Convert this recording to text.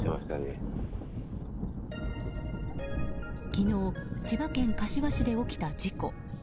昨日、千葉県柏市で起きた事故。